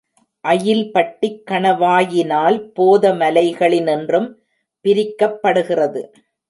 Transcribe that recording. அயில்பட்டிக் கணவாயினால் போத மலைகளினின்றும் பிரிக்கப்படுகிறது.